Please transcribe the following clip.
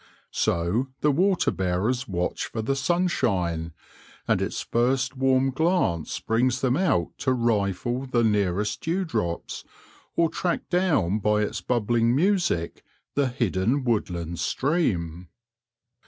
So the water bearers watch for the sunshine, and its first warm glance brings them out to rifle the nearest dewdrops, or track down by its bubbling music the hidden woodland stream.